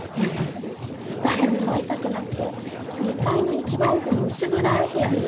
誰にも会いたくなくて２階の一番奥の薄暗い部屋にいつも閉じこもってたわ